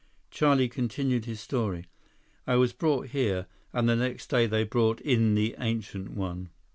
Charlie continued his story. "I was brought here, and the next day, they brought in the Ancient One."